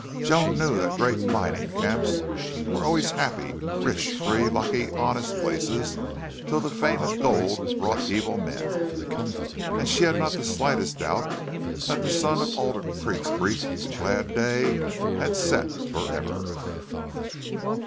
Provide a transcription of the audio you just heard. Joan knew that great mining camps were always happy, rich, free, lucky, honest places till the fame of gold brought evil men. And she had not the slightest doubt that the sun of Alder Creek's brief and glad day had set forever.